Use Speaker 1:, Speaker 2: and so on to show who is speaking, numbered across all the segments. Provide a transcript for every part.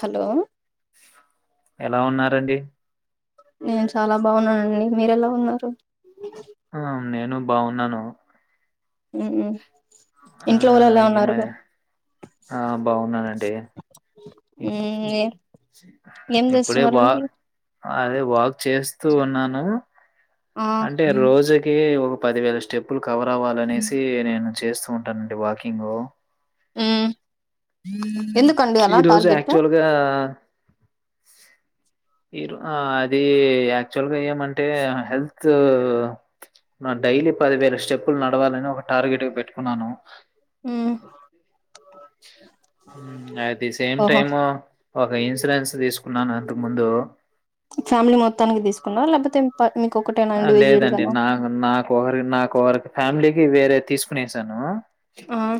Speaker 1: Hello
Speaker 2: ఎలా ఉన్నారండి
Speaker 1: నేను చాలా బాగున్నానండి మీరె ఎలా ఉన్నారు
Speaker 2: ఆ నేను బాగున్నాను
Speaker 1: మ్మ్
Speaker 2: ఆ
Speaker 1: ఇంట్లో వాళ్ళు ఎలా
Speaker 2: ఇ మ
Speaker 1: ఉన్నారు మ్మ్
Speaker 2: ఆ బాగున్నానండి ఇప్ ఉ
Speaker 1: ఏ
Speaker 2: ప్
Speaker 1: ఏం
Speaker 2: ఇప్పుడే వా
Speaker 1: చేస్తున్నారండి
Speaker 2: అదే వా చేస్తూ ఉన్నాను
Speaker 1: ఆ
Speaker 2: అంటే రోజుకి ఒ పదివేల స్టెప్లు కవర్ అవ్వాలనేసి నేను చేస్ ఉంటానండి వాకింగ్
Speaker 1: ఉమ్
Speaker 2: ఈ రోజు యాక్చువల్గా ఈ ఆది యాక్చువల్ గా ఏమంటే హెల్త్ డైలీ పదివేల స్టెప్పులు నడవాలని ఒక టార్గెట్ పెట్టుకున్నాను
Speaker 1: um
Speaker 2: at the same time ఒక ఇన్సూరెన్స్ తీసుకున్నాను అంతకు ముందు
Speaker 1: లపోతేంత
Speaker 2: లేదండి నాక్ నాకోరకి నాకుఒకరికి ఫ్యామిలీ వేరే తీసుకుొనేసాను
Speaker 1: ఆ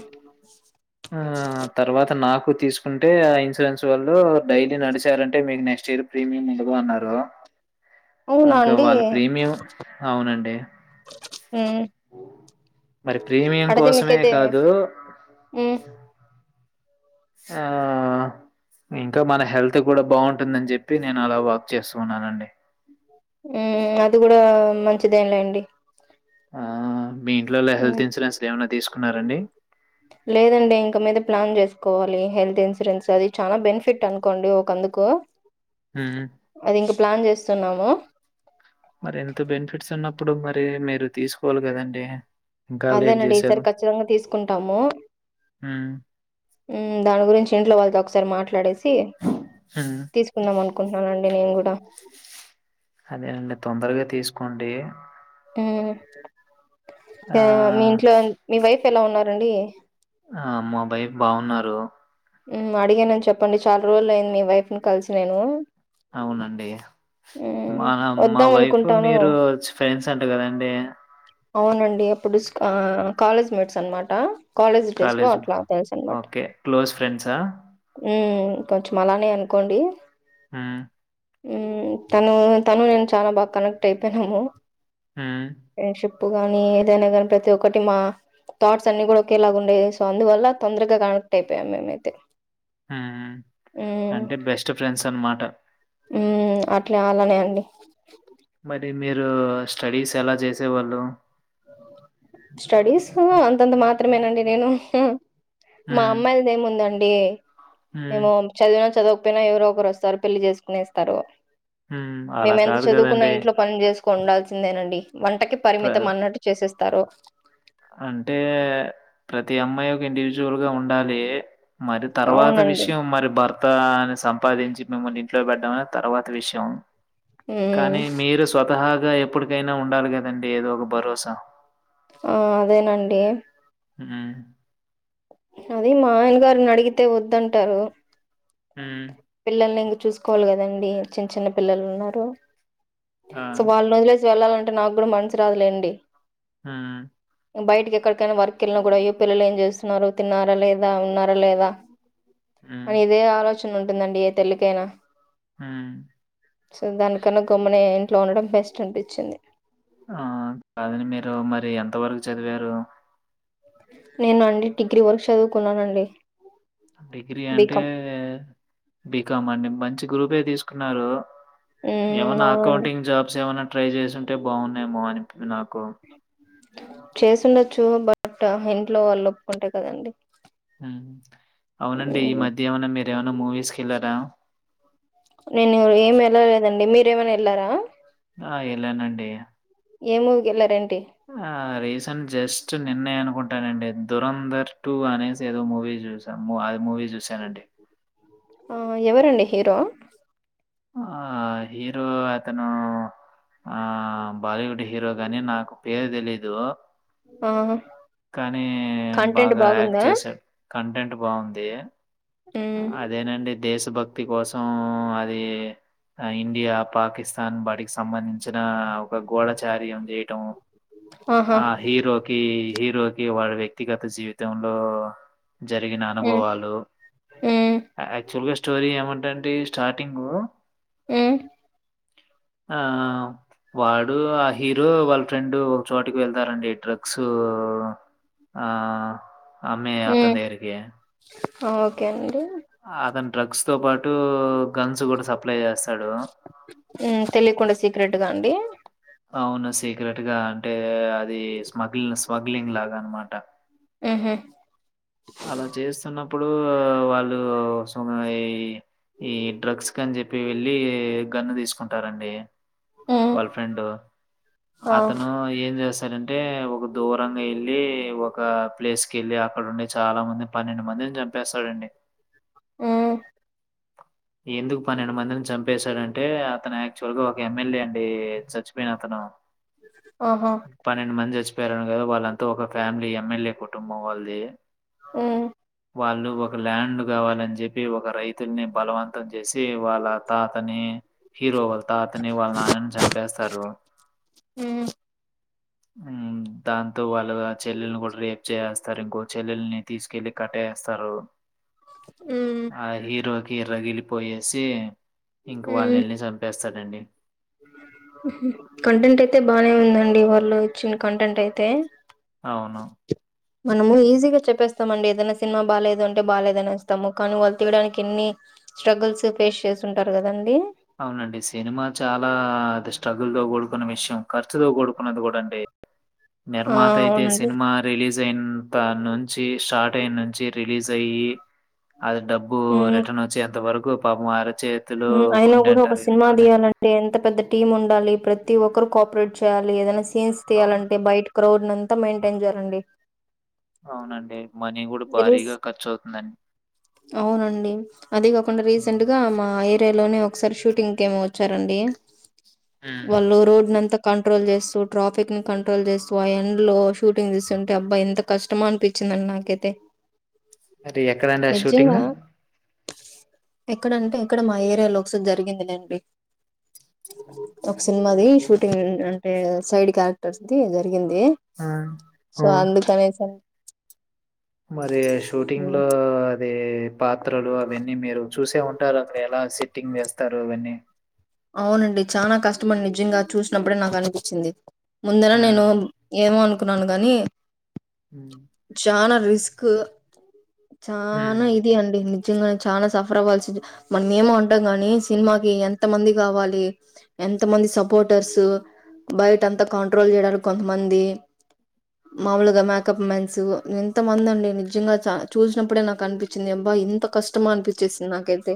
Speaker 2: కు తీసుకుంటే ఆ ఇన్సూరెన్స్ వాళ్ళు డైలీ నడిచారంటే మీకు నెక్స్ట్ ఇయర్ ప్రీమియం ఇ లువ అన్నారు
Speaker 1: అవునా
Speaker 2: ఇంకా
Speaker 1: అండి
Speaker 2: వాళ్ ప్రీమియం అవునండి
Speaker 1: మ్మ్
Speaker 2: మరి ప్రీమియం
Speaker 1: అడితే
Speaker 2: కోసమే
Speaker 1: మీకైతే
Speaker 2: కాదు
Speaker 1: మ్మ్
Speaker 2: షాపులు ఆ ఇంకా మన హెల్త్ కూడా బాగుంట్ ఉంటుందని చెప్పి నేను అలా వాక్ చేస్తుఉన్నానండి
Speaker 1: ఉ అది కూడా మంచిదేంలేండి
Speaker 2: ఆ మీ ఇంట్లోల్ హెల్త్ ఇన్ సూరన్స్ ఏమన్నా తీస్ కున్నారండి.
Speaker 1: లేదండి ఇంక మీద ప్లాన్ జేస్కోవాలి హెల్త్ ఇన్సూరెన్స్ అది చాలా బెనిఫిట్ అన్కోండి ఒకందుకు.
Speaker 2: హ్మ్.
Speaker 1: అదింక ప్లాన్ జేస్ తున్నాము.
Speaker 2: ఇప్పుడు మరి మీరు తీస్కోవాలి గదండి.
Speaker 1: అదేనండి ఈసారి ఖచ్చితంగా తీసుకుంటాము
Speaker 2: హ్మ్.
Speaker 1: ఉమ్ దాని గురించి ఇంట్లో వాళ్తో ఒక్సారి మాట్లాడేసి
Speaker 2: హ్మ్.
Speaker 1: తీసుకుందామనుకుంట్నానండి నేన్ గూడా.
Speaker 2: అదేనండి తొందరగా తీస్ కొండి
Speaker 1: ఉమ్ యవ్ మీ
Speaker 2: ఆహ్,
Speaker 1: ఇంట్లో అం మీ వైఫ్ ఎలా ఉన్నార్. రండి
Speaker 2: ఆ మా బైఫ్ బాగున్నారు
Speaker 1: ఉమ్ అడిగననీ చెప్పండి చాలా రోజులు అయింది మీ వైఫ్ ను కలిసి నేను
Speaker 2: అవునండి
Speaker 1: మ్మ్
Speaker 2: మా మా
Speaker 1: వద్దాం
Speaker 2: వైఫ్
Speaker 1: అనుకుంటాను
Speaker 2: మీరు ఫ్రెండ్స్ అంట కదండి
Speaker 1: ఔనండి అప్పుడు స్కూ ఆ కాలేజ్ మేట్స్ అనమాట. కాలేజ్ డేస్లో అట్ల తెల్సనమాట
Speaker 2: ఓకే. క్లోజ్ ఫ్రెండ్సా?
Speaker 1: ఉమ్. ఉమ్ కొంచ్మ్ అలానే అనుకోండి.
Speaker 2: ఉమ్
Speaker 1: ఉమ్ తను తను నేను చానా బాగ్ కనెక్టైపొయ్నాము.
Speaker 2: ఉమ్
Speaker 1: ప్పు గాని ఏదైన గాని ప్రతి ఒక్కటి మా థాట్సన్ని గూడ్ ఒకేలాగుండేయి సో అందువల్ల తొందర్గా కనెక్ట్ అయ్పోయాం మేమైతే.
Speaker 2: ఉమ్ అంటె బెస్ట్ ఫ్రెండ్స్ అన్మాట.
Speaker 1: ఉమ్ అ రాల్లనే ఉంది
Speaker 2: టే మీరు స్టడీస్ ఎలా జేసేవాళ్ళు.
Speaker 1: స్టడీస్సు అంతంత మాత్రమేనండి నేను. మా
Speaker 2: హ్మ్.
Speaker 1: అమ్మాయ్ల్దే ఏముందండ్ డీ
Speaker 2: హ్మ్.
Speaker 1: మేము చదివిన చదవక్ పెనా ఎవ్రోకరొస్తారు పెళ్లి జేస్కునేస్తారు.
Speaker 2: హ్మ్. అలా
Speaker 1: మేమెంత
Speaker 2: కాదు
Speaker 1: చదువుకున్నా
Speaker 2: గదండీ!
Speaker 1: ఇంట్లో పన్ జేస్ కొండాల్సిందేనండి. వంటకి
Speaker 2: ప్ర
Speaker 1: పరిమితం అన్నట్టు తెస్తారు.
Speaker 2: అంటే ప్రతి అమ్మాయి ఒక ఇండివిజువల్ గా ఉండాలి మరి తర్వాత
Speaker 1: అవునండి
Speaker 2: విషయం మరి భర్త మొత్తాన్ని సంపాదించి మిమ్మల్ని ఇంట్లో పెడ్డామని తర్వాత విషయం
Speaker 1: మ్మ్
Speaker 2: కానీ మీరు స్వతహా ఎప్పటికైనా ఉండాలి కదండి ఏదో ఒక భరోసా
Speaker 1: ఆ అదేనండి
Speaker 2: ఉమ్
Speaker 1: అది మా ఆయన గారుని అడిగితే వద్దంటారు
Speaker 2: ఉమ్
Speaker 1: పిల్లల్ని ఇంక చూసుకోవాలి కదండి చిన్న చిన్న పిల్లలు ఉన్నారు
Speaker 2: ఆ!
Speaker 1: సో వాళ్ళ రోజలేసి వెళ్ళాల నాకు కూడా మనషరాజులేండి
Speaker 2: హ
Speaker 1: బయటికి ఎక్కడికైనా వర్క్ కెళ్ళిన కూడా అయ్యో పిల్లలు ఏం చేస్తున్నారు తిన్నారా లేదా ఉన్నారా లేదా
Speaker 2: హ్మ్.
Speaker 1: అని ఇదే ఆలోచ్ టుందండి ఏ తల్లికైనా.
Speaker 2: హ్మ్.
Speaker 1: సో దానికన్నా గమ్మునే ఇంట్లో ఉండడం బెస్ట్ అన్పించ్చింది.
Speaker 2: ఆ కాదని మీరు మరి ఎంత వరకు చదివారు
Speaker 1: నేను అండి డిగ్రీ వర్క్ చదువుకున్నానండి
Speaker 2: డిగ్రీ అంటే
Speaker 1: బీకాం
Speaker 2: బీకం అండి మంచి గ్రూపే తీసుకున్నారు
Speaker 1: ఉమ్
Speaker 2: ఏమనా
Speaker 1: అవునండి
Speaker 2: అకౌంటింగ్ జాబ్స్ ఏమన్నా ట్రై చేసింటే బాగున్నాయేమో అనిపి నాకు
Speaker 1: చేసిండచ్చ చు బట్ ఇంట్లో వాళ్ళు ఒప్పుకుంటాయి కదండి
Speaker 2: ఉ అవునండి ఈ
Speaker 1: ఉమ్,
Speaker 2: మధ్యమనం మీరు ను మూవీస్ కల్లాార
Speaker 1: నేనురు ఏం వెళ్ళలేదండి మీరు ప్రేమన్ వేలారా
Speaker 2: ఆ ఇలానండి
Speaker 1: ఎమ్ మూవీ కి వెలరాండి
Speaker 2: ఆ రీసెంట్ జస్ట్ నిన్నే అనుకుంటా అంటానండి దురంధర్ టు అనేసి ఏదో మూవీ చూసా మూవీ చూసానండి
Speaker 1: ఆ ఎవరండి హీరో
Speaker 2: ఆ హీరో అతను ఆ బాలీవుడ్ హీరో గాని నాకు పేరు తెలీదు
Speaker 1: ఆ
Speaker 2: కానీ
Speaker 1: కంటెంట్
Speaker 2: బాగా యాక్ట్
Speaker 1: బాగుందా
Speaker 2: చేశాడు కంటెంట్ బావుంధి
Speaker 1: ఉమ్
Speaker 2: అదేనండి దేశభక్తి తి కోసం అది ఇండియా పాకిస్తాన్ బటికి సంబంధించిన ఒక గోడచారి ఉంది త
Speaker 1: ఆహా
Speaker 2: ఆ హీరోకి హీరోకి వాళ వ్యక్తిగత జీవితంలో జరిగిన
Speaker 1: ఉమ్
Speaker 2: అనుభవాలు
Speaker 1: ఉమ్
Speaker 2: అ తుల్గ స్టోరీ ఏమంటంటే స్టార్టింగ్
Speaker 1: ఉమ్
Speaker 2: ఆ వాడు ఆ హీరో వాళ్ళ ఫ్రెండ్ ఒక చోటుకి వెళ్తారంండి డ్రగ్స్ ఆ అమ్మె అ
Speaker 1: ఉమ్
Speaker 2: ధగారికి
Speaker 1: ఓకే అండి
Speaker 2: డ్రగ్స్ తో పాటు గన్స్ కూడా సప్లై చేస్తయి
Speaker 1: ఉ తెలికుడా సి రెడ్గా అండి
Speaker 2: అవునా సీక్రెట్ గా అంటే అది స్మగ్లి స్మగ్లింగ్ లాగా అనమాట
Speaker 1: ఆహా
Speaker 2: అలా చేస్తున్నా ఇప్పుడు వాళ్ళు స ఈ డ్రగ్స్ కని చెప్పి వెళ్ళి గన్ను తీసుకుంటారండి
Speaker 1: ఉమ్
Speaker 2: బర్ల్ ఫ్రెండ్
Speaker 1: ఆ
Speaker 2: అతను ఏం చేస్తా సరంటే ఒక దూరంగా వెళ్ళి ఒక ప్లేస్ క వెళ్ళి అక్కడ ఉండి చాలా మంది పన్నెండు మందిని చంపేస్తాడండి
Speaker 1: ఆ
Speaker 2: ఎందుకు పన్నెండు మందిని చంపేశాడంటే అతను యాక్చువల్ గా ఒక ఎమ్మెల్యే అ స తన
Speaker 1: ఆహా
Speaker 2: పన్నెండు మంది పేరను కదా వాళ్ళంతా ఒక ఫ్యామిలీ ఎమ్మెల్యే కుటుంబం వాళ్ళది
Speaker 1: ఉమ్
Speaker 2: వాళ్ళు ఒక ల్యాండ్ కావాలని చెప్పి ఒక రైతుల్ని బలవంతం చేసి వాళ్ళ తాతని హీరో వల్తాత ని వాళ నన చంపేస్తారు
Speaker 1: ఉమ్
Speaker 2: దాంతో వాళ్ళు ఆ చెల్లెల్ని కూడా రేప్ చేస్తారు ఇంకో చెల్లెల్ని తీసుకెళ్లి కట్టేస్తారు
Speaker 1: ఉమ్
Speaker 2: ఆ హీరోకి కీర్రగిలిపోయేసి ఇంకా వాళ్ళు
Speaker 1: ఉమ్
Speaker 2: ఎల్లి చంపేస్తారు రండి
Speaker 1: కంటెంట్ అయితే బాగానే ఉందండి వాళ్ళు ఇచ్చిన కంటెంట్ అయితే
Speaker 2: అవును
Speaker 1: మనము ఈజీగా చెప్పేస్తామండి ఏదైనా సినిమా బాలేదంటే బాలేద్ అనేస్తాము కానీ వాళ్ తయడానికి ఎన్ని స్ట్రగుల్స్ ఫేస్ చేస్తుంటారు కదండి.
Speaker 2: అవునండి సినిమా చాలా అద్ స్ట్రగుల్ తో కూడుకున్న విషయం ఖర్చుతో కూడుకున్నది కూడా అండి
Speaker 1: ఆ
Speaker 2: నిర్మాతయితే
Speaker 1: అవునండి
Speaker 2: సినిమా రిలీజ్ జెంతా నుంచి షార్ట్ అయినుంచి రిలీజ్ అయ్యి అద్ డబ్బు
Speaker 1: ఉమ్
Speaker 2: రిటర్న్ ఒచ్చే అంత వరకు పాపం ఆరు చేతిలో
Speaker 1: హ్మ్. అయినా కూడా ఒక సినిమా తీయాలంటే ఎంత పెద్ద టీమ్ ఉండాలి ప్రత్ ప్రతి ఒక్కరు కో ఆపరేట్ చేయాలి ఏదనా సిన్స్
Speaker 2: అవును
Speaker 1: తీయాలంటే బయట గ్రౌడ్ ని అంతా మెయింటైన్ చేయరండి
Speaker 2: అవునండి. మనీ గూడా
Speaker 1: రిస్
Speaker 2: భారీగా ఖర్చవుతుందండి.
Speaker 1: అవునండి అది గాకుండా
Speaker 2: హ్మ్.
Speaker 1: రీసెంట్ గా మా ఇలోనే ఒకసారి షూటింగ్ కేమో వచ్చారండి
Speaker 2: హ్మ్.
Speaker 1: వాళ్ళు రోడ్నంతగ్ కంట్రోల్ చేస్తూ ట్రాఫిక్ ని కంట్రోల్ చేస్తూ ఆ ఎండ్ లో షూటింగ్ తీస్తుంటే అబ్బాయి ఎంత కష్టమో అనిపించిందండి నాకైతే.
Speaker 2: మరి ఎక్కడండ్ ఆ షూటింగ్
Speaker 1: నిజంగా ఎక్కడంటే ఇక్కడ మా ఏరియా లో ఒకసారి జరిగింది లెండి ఒక్ సిన్మ్ అది షూటింగ్ అంటే సైడ్ క్యారెక్టర్స్ ది వర్ దిగింది
Speaker 2: ఆ!
Speaker 1: సో
Speaker 2: ఆ!
Speaker 1: అందుకనేసర్
Speaker 2: మరి షూటింగ్ లో అదీ పాత్రలు అవేన్నీ మీరు చూసే ఉ టర్ అక్కడ ఎలా సెట్టింగ్ చేస్ తరు ఇవన్ని
Speaker 1: అవునండి చాలా కష్టమండి నిజంగా చూసినప్పుడే నాకు అనిపించింది ముందర నేను
Speaker 2: హ్మ్.
Speaker 1: ఏమో అనుక్ కున్నాను గానీ
Speaker 2: హ్మ్.
Speaker 1: చానా రిస్క్
Speaker 2: హ్మ్.
Speaker 1: చానా ఇది అండి నిజ్ నిజంగానే చాలా సఫర్ అవ్వాల్సి మన ఏమో అంటాం గాని సినిమాకి ఎ ఎంత మంది కావాలి ఎంత మంది సపోర్టర్స్ బయట అంత కాంట్రోల్ చేయాలి కొంతమంది మాములుగా మేకప్ మన్స్ ఎంతో మంది అండి నిజంగా చా చూసినప్పుడే నాకు అనిపిచ్చింది అబ్బా ఎంత కష్టమ అనిపిచ్చేసింది నాకైతే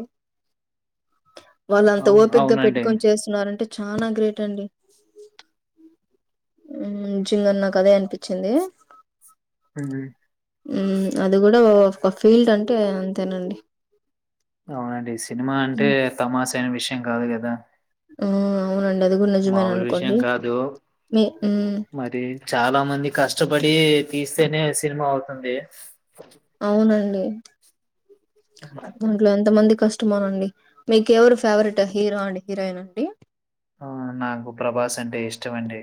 Speaker 1: వా త
Speaker 2: అవును.
Speaker 1: ఓపిగ్గా
Speaker 2: అవునండి.
Speaker 1: పెట్టుకొని చేస్తున్నారంటే చానా గ్రేట్ అండి మ్మ్ నిజంగా నాకు అదే అనిపిచ్చింది
Speaker 2: హ్మ్.
Speaker 1: మ్మ్ అది కుడా ఒక ఫీల్డ్ అంటే అంతేనండి
Speaker 2: అవునండి సినిమా అంటే
Speaker 1: హ్మ్.
Speaker 2: తమాష అయిన విష యం కాదు కదా
Speaker 1: ఆ అవునండి అది కూడా నిజమేన అనుకోండి
Speaker 2: విషయం కాదు.
Speaker 1: మీ మ్మ్
Speaker 2: మరి చాలా మంది కష్టపడి తీస్తేనే సినిమా అవుతుంది
Speaker 1: అవున [unintelligible] దీంట్లో ఎంత మందిక్ కష్టమేనండి మీక్ ఎవరు ఫేవరెట్ హీరో అండ్ హీరోయిన్ అండి
Speaker 2: మ్మ్ నాకు ప్రభాస్ అంటే ఇష్టమండి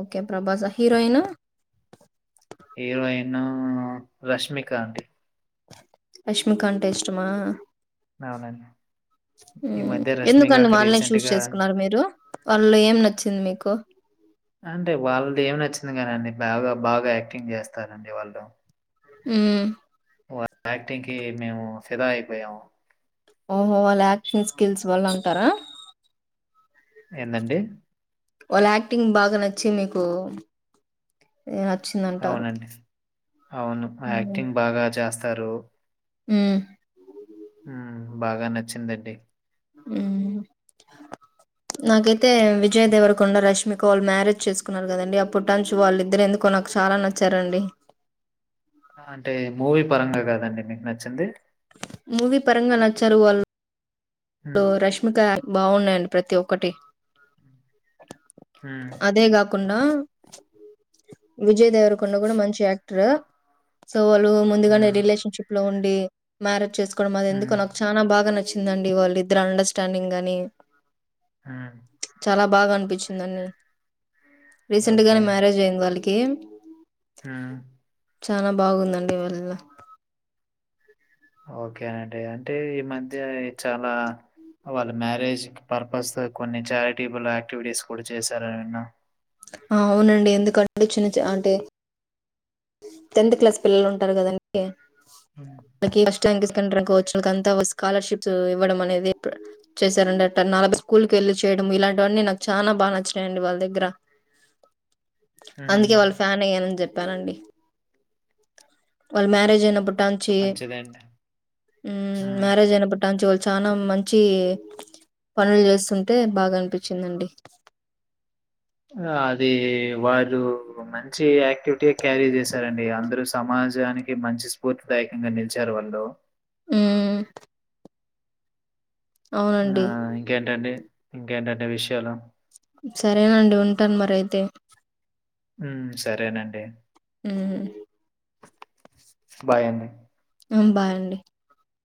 Speaker 1: okay Prabhas heroine
Speaker 2: heroine Rashmika అండి
Speaker 1: రష్మిక అంటే ఇష్టమా
Speaker 2: అవునండి ఈ
Speaker 1: హ్మ్.
Speaker 2: మధ్య
Speaker 1: ఎందుకండి
Speaker 2: రష్మికకి
Speaker 1: వాళ్ళనే చూస్
Speaker 2: రీసెంట్గా
Speaker 1: చేసుకున్నారు మీరు? వాళ్ళలో ఏం నచ్చింది మీకు?
Speaker 2: అంటే వాళ్ళది ఏమి నచ్చింది కాదండి బాగా బాగా యాక్టింగ్ చేస్తారండి వాళ్ళు
Speaker 1: అ
Speaker 2: యాక్టింగ్ కి మేము ఫిదా అయిపోయాము
Speaker 1: ఓహో వాళ్ళ యాక్టింగ్ స్కిల్స్ వాళ్ళ ఉంటారా
Speaker 2: ఎం
Speaker 1: వాళ్ళ యాక్టింగ్ బాగా నచ్చి మీకు నచ్చిందంటారు.
Speaker 2: అవునండి అవును యాక్టింగ్ బాగా జాస్ ఇస్తారు
Speaker 1: హ
Speaker 2: బాగా నచ్చిందండి
Speaker 1: నాకైతే విజయ్ దేవరకొండ రష్మిక వాళ్ళు మ్యారేజ్ చేసుకున్నారు కదండి ఆ పుట్టంచు వాళ్ళిద్దరు ఎందుకో నాకు చాలా నచ్చారంండి
Speaker 2: అంటే మూవీ పరంగా కాదండి మీకు నచ్చింది
Speaker 1: మూవీ పరంగా నచ్చారు వాళ్ళు హలో
Speaker 2: ఉమ్,
Speaker 1: రష్మిక బాగున్నాయండి ప్రతి ఒక్కటి
Speaker 2: ఉమ్,
Speaker 1: అదేగా కు విజయ్ దేవర కొండ కూడా మంచి యాక్టర్ సో వాళ్ళు ముందుగానే
Speaker 2: ఉమ్.
Speaker 1: రిలేషన్షిప్ లో ఉండ మేరేజ్ చేసు అది ఎందుకో
Speaker 2: హ్మ్.
Speaker 1: నాకు చాలా బాగా నచ్చి చ్చిందండి వాళ్ళు ఇద్దరు అండర్స్టాండింగ్ కాని
Speaker 2: హ్మ్.
Speaker 1: చాలా బాగా అనిపించ వచ్చందన్ని రీసెంట్ గానే మ్యారేజ్ అయింది వాళ్ళకి ఓకే
Speaker 2: హా
Speaker 1: చాలా బాగుందండి వళ
Speaker 2: ఓకేనండి అంటే ఈ మధ్య చాలా వాళ్ళ మ్యారేజ్ పర్పస్ తో కొన్ని చారిటబుల్ యాక్టివిటీస్ కూడా చేశారా నిన్న
Speaker 1: అవునండి ఎందుకంటే చిన్న అంటే టెన్త్ క్లాస్ పిల్లలు ఉంటారు కదండి
Speaker 2: హ్మ్.
Speaker 1: అకే [unintelligible] స్కాలర్షిప్స్ ఇవ్వడం అనేది చేశారండి అట్ట నలభై స్కూల్ వెళ్ళి చేయడం ఇలాంటివన్నీ నాకు చాలా బాగా నచ్చాయండి వాళ్ళ దగ్గర
Speaker 2: హ్మ్.
Speaker 1: అందుకే వాళ్ళ ఫ్యాన్ అయ్యానని చెప్పి చెప్పానండి వాళ్ళు మ్యారేజ్ అయినప్పుట్టాంచి
Speaker 2: మంచిదండి. హ్మ్.
Speaker 1: మ్యారేజ్ అయినప్పుట్టాంచి వాళ్ళు చాలా మంచి పనులు చేస్తుంటే బాగా అనిపించిందండి
Speaker 2: ఆ అది వారు మంచి యాక్టివిటీ క్యారీ చేశారండి అందరుూ సమాజ నిజానికి మంచి స్ఫూర్తిదాయకంగా నిలిచారు వాళ్ళు
Speaker 1: హమ్
Speaker 2: ఆ ఇంకేంటండి ఇంకేంటంటే విషయాల
Speaker 1: సరేనండి ఉంటాను మరి అయితే
Speaker 2: ఉ సరేనండి
Speaker 1: హ
Speaker 2: బాయ అడి
Speaker 1: ఆ బాండి